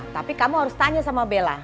tapi kamu harus tanya sama bella